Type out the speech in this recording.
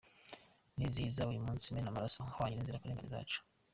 Ndizihiza uyu munsi mena amaraso ahwanye n’ay’inzirakarengane zacu.